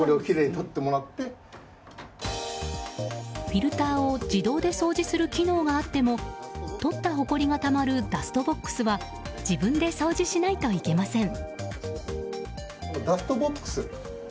フィルターを自動で掃除する機能があってもとったほこりがたまるダストボックスは自分で掃除しないといけません。